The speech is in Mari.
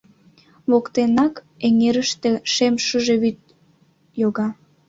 Воктенак эҥерыште шем шыже вӱд йога.